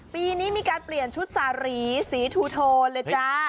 ปีนี้มีการเปลี่ยนชุดสารีสีทูโทนเลยจ้า